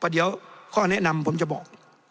เดี๋ยวข้อแนะนำผมจะบอก